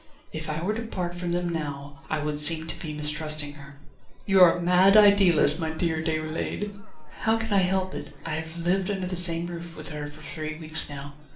"If I were to part from them now I would seem to be mistrusting her." "You are a mad idealist, my dear Déroulède!" "How can I help it? I have lived under the same roof with her for three weeks now.